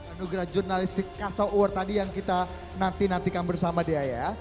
anugerah jurnalistik kasau award tadi yang kita nantikan bersama di aya